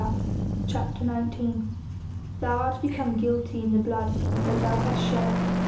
CHAPTER XIX "Thou art become guilty in the blood that thou hast shed."